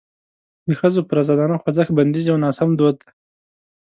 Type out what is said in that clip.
د ښځو پر ازادانه خوځښت بندیز یو ناسم دود دی.